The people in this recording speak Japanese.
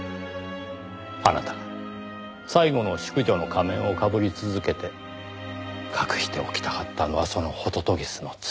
あなたが最後の淑女の仮面をかぶり続けて隠しておきたかったのはその杜鵑の罪。